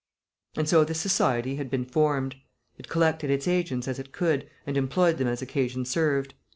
And so this society had been formed. It collected its agents as it could, and employed them as occasion served.